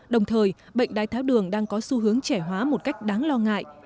đồng thời bệnh đái tháo đường đang có xu hướng trẻ hóa một cách đáng lo ngại